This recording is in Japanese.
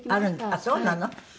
あっそうなの？